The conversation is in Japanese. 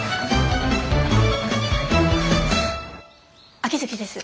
秋月です。